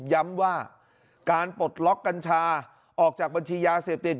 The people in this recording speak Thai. ย้ำว่าการปลดล็อกกัญชาออกจากบัญชียาเสพติด